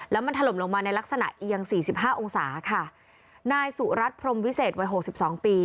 แล้วมันถล่มลงมาในลักษณะเอียงสี่สิบห้าองศาค่ะนายสุรัตน์พรมวิเศษวัยหกสิบสองปี